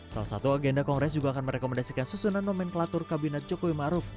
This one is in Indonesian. salah satu agenda kongres juga akan merekomendasikan susunan nomenklatur kabinet jokowi maruf